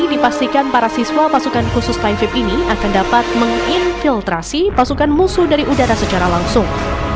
dipastikan para siswa pasukan khusus taifib ini akan dapat menginfiltrasi pasukan musuh dari udara secara langsung